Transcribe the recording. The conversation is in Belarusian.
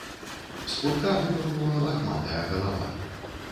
З кутка вынырнула лахматая галава.